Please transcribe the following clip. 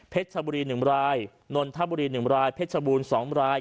เพชรทะบุรีหนึ่งรายนนทะบุรีหนึ่งรายเพชรบูรสองราย